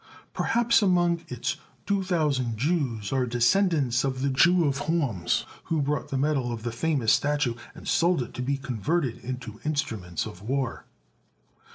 Perhaps among its two thousand Jews are descendants of the Jew of Horns, who bought the metal of the famous statue and sold it to be converted into instruments of war.